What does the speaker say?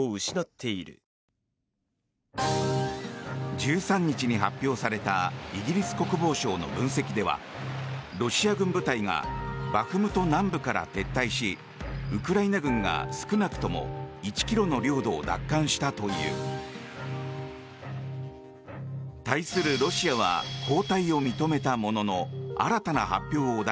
１３日に発表されたイギリス国防省の分析ではロシア軍部隊がバフムト南部から撤退し激戦地バフムトで少なくとも１ｋｍの領土を奪還したといわれるウクライナ軍。